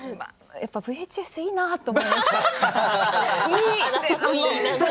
やっぱりＶＨＳいいなと思いました。